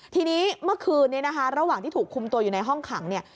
ทีนี้เมื่อคืนนี้นะคะระหว่างที่ถูกคุมตัวอยู่ในห้องขังเนี่ย